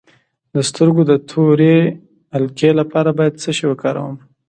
د سترګو د تورې حلقې لپاره باید څه شی وکاروم؟